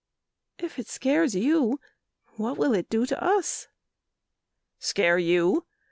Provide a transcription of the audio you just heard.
"If it scares you, what will it do to us?" "Scare you.